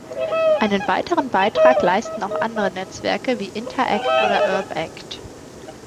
Einen weiteren Beitrag leisten auch andere Netzwerke wie Interact oder Urbact.